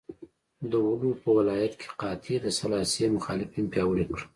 د ولو په ولایت کې قحطۍ د سلاسي مخالفین پیاوړي کړل.